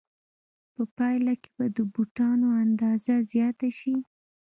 په پایله کې به د بوټانو اندازه زیاته شي